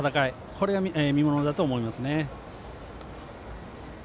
これが見ものだと思いますね。